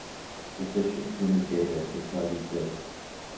Sufficient human data does not exist.